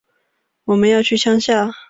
我们要去乡下